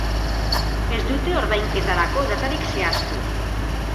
Ez dute ordainketarako datarik zehaztu.